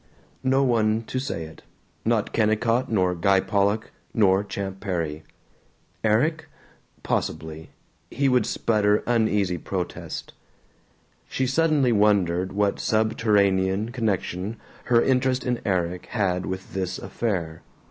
No one to say it. Not Kennicott nor Guy Pollock nor Champ Perry. Erik? Possibly. He would sputter uneasy protest. She suddenly wondered what subterranean connection her interest in Erik had with this affair.